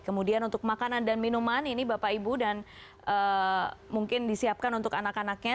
kemudian untuk makanan dan minuman ini bapak ibu dan mungkin disiapkan untuk anak anaknya